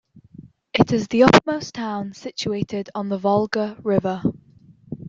It is the uppermost town situated on the Volga River.